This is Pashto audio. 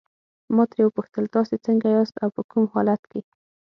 ما ترې وپوښتل تاسي څنګه یاست او په کوم حالت کې.